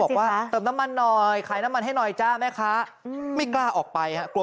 หลังจากพบศพผู้หญิงปริศนาตายตรงนี้ครับ